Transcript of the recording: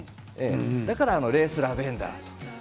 だからレースラベンダーと。